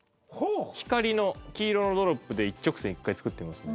光の黄色のドロップで一直線１回作ってみますね。